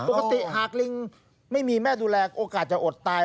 ปกติหากลิงไม่มีแม่ดูแลโอกาสจะอดตาย